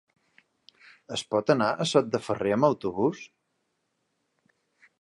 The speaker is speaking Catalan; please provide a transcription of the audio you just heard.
Es pot anar a Sot de Ferrer amb autobús?